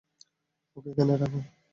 ওকে এখানে রাখো।